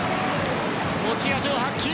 持ち味を発揮。